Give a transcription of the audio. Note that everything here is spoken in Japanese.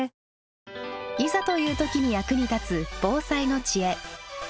いざという時に役に立つ防災の知恵。